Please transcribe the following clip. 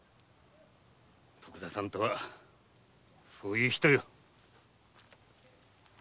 徳田さんとはそういう人よ。